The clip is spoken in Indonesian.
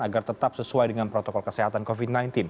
agar tetap sesuai dengan protokol kesehatan covid sembilan belas